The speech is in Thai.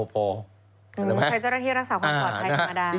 ใช้เจ้าลักษณะที่รักษาความปลอดภัยธรรมดา